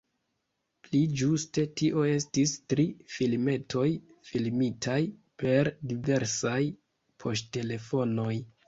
Pli ĝuste tio estis tri filmetoj, filmitaj per diversaj poŝtelefonoj.